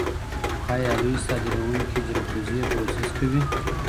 ایا لوی صادروونکي جلغوزي پروسس کوي؟